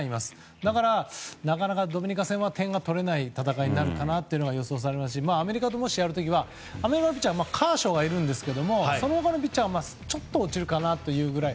だから、なかなかドミニカ戦は点が取れない戦いになるかなとは予想されますしアメリカとやる時はアメリカのピッチャーはカーショーがいますがそれ以外のピッチャーはちょっと落ちるかというくらい。